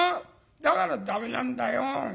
だから駄目なんだよ。